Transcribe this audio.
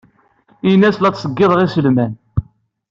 Ini-as la ttṣeyyideɣ iselman.